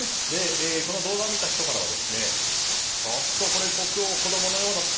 この動画を見た人からはちょっと国王、子供のようだと。